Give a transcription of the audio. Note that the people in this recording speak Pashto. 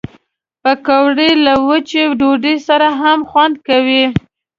پکورې له وچې ډوډۍ سره هم خوند کوي